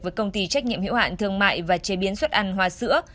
với công ty trách nhiệm hiệu hạn thương mại và chế biến xuất ăn hoa sữa